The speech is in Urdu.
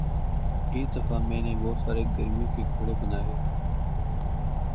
اس دفعہ میں نے بہت سارے گرمیوں کے کپڑے بنائے